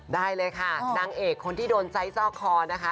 ได้เลยค่ะนางเอกคนที่โดนไซส์ซอกคอนะคะ